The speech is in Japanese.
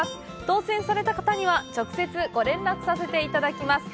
当せんされた方には直接、ご連絡させていただきます。